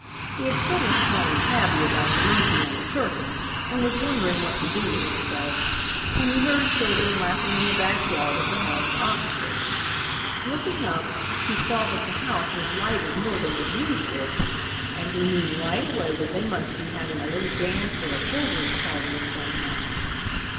He had finished telling Tabby about the monkey and the turkey and was wondering what to do with himself when he heard children laughing in the back yard of the house opposite. Looking up, he saw that the house was lighted more than was usual, and he knew right away that they must be having a little dance or a children's party of some kind.